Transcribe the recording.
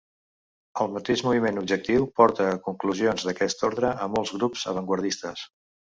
El mateix moviment objectiu porta a conclusions d'aquest ordre a molts grups avantguardistes.